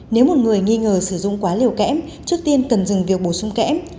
nếu một người nghi ngờ sử dụng quá liều kém trước tiên cần dừng việc bổ sung kém